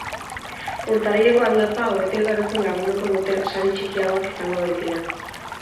Urtarrileko aldapa hobeto igarotzen lagunduko duten sari txikiagoak izango baitira.